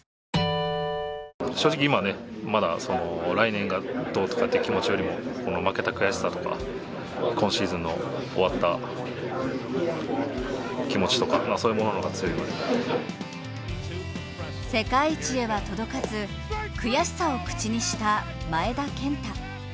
正直、今はまだ来年がどうかという気持ちよりも、負けた悔しさとか今シーズンの終わった気持ちとか、世界一へは届かず悔しさを口にした前田健太。